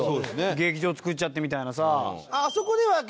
劇場作っちゃってみたいなさ。